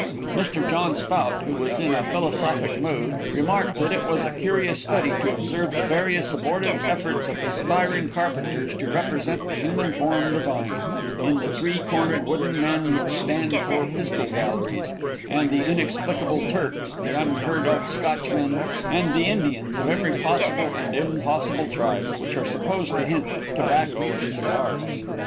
Mr. John Spout, who was in a philosophic mood, remarked that it was a curious study to observe the various abortive efforts of aspiring carpenters to represent the human form divine, in the three cornered wooden men, which stand for "pistol galleries;" and the inexplicable Turks, the unheard of Scotchmen, and the Indians of every possible and impossible tribe, which are supposed to hint "tobacco and cigars."